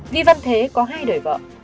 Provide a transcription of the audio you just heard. vi văn thế có hai đời vợ